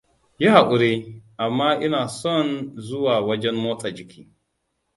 Yi hakuri, amma ina son zuwa wajen motsa jiki.